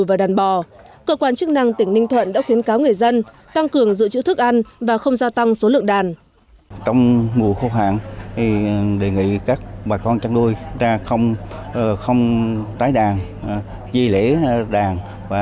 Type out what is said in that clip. và đàn bò cơ quan chức năng tỉnh ninh thuận đã khuyến cáo người dân tăng cường dự trữ thức ăn và không gia tăng số lượng đàn